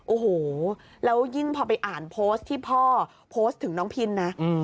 โอ้โหแล้วยิ่งพอไปอ่านโพสต์ที่พ่อโพสต์ถึงน้องพินนะ